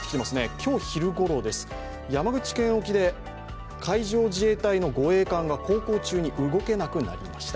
今日昼ごろです、山口県沖で海上自衛隊の護衛艦が航行中に動けなくなりました。